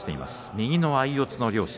右の相四つの両者。